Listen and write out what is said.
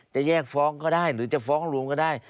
จะแยกฟ้องก็ได้หรือจะฟ้องรวมก็ได้